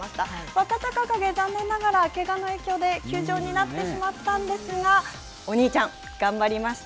若隆景、残念ながらけがの影響で休場になってしまったんですがお兄ちゃん、頑張りました。